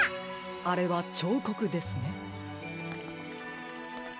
あれはちょうこくですね。